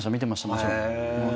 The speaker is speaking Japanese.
もちろん。